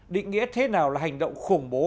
định nghĩa thế nào là hành động khủng bố